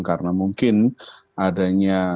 karena mungkin adanya